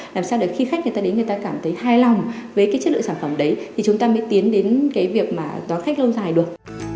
làm sao để khi khách người ta đến người ta cảm thấy hài lòng với cái chất lượng sản phẩm đấy thì chúng ta mới tiến đến cái việc mà đón khách lâu dài được